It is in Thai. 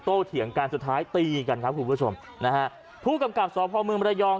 เถียงกันสุดท้ายตีกันครับคุณผู้ชมนะฮะผู้กำกับสพเมืองมรยอง